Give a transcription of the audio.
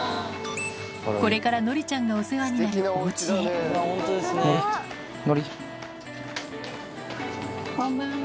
これからのりちゃんがお世話になるおうちへこんばんは。